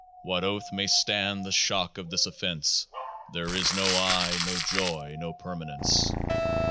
What oath may stand the shock of this offence :" There is no I, no joy, no permanence